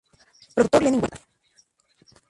Productor Lenin Huerta